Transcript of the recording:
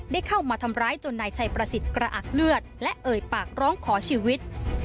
ได้เข้ามาทำร้ายจนนายชัยประสิทธิ์กระอักเลือดและเอ่ยปากร้องขอชีวิต